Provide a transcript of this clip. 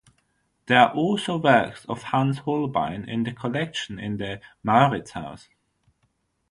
There are also works of Hans Holbein in the collection in the Mauritshuis.